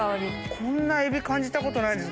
こんなエビ感じたことないです